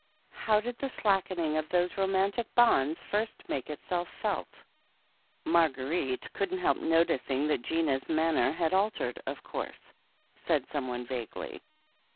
How did the slackening cf those romantic bonds first make itself felt? "Marguerite couldn't help noticing that Gina's man ner had altered, of course," said someone vaguely.